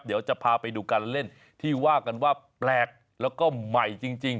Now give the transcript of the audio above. เดี๋ยวจะพาไปดูการเล่นที่ว่ากันว่าแปลกแล้วก็ใหม่จริง